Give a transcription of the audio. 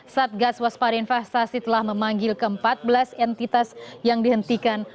satgas waspada investasi telah memanggil ke empat belas entitas yang dihentikan